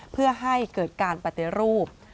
เพื่อให้เกิดการปฏิรูป